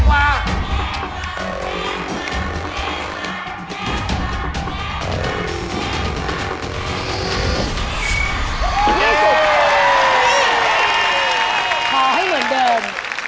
ขอให้เหมือนเดิม